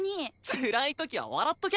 つらい時は笑っとけ！